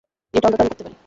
এটা অন্তত আমি করতে পারি।